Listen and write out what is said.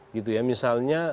gitu ya misalnya